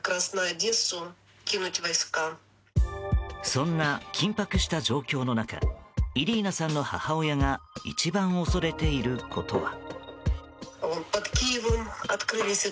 そんな緊迫した状況の中イリーナさんの母親が一番恐れていることは。